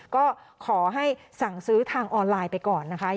ก็ขอให้สั่งซื้อทางออนไลน์ไปก่อนนะคะ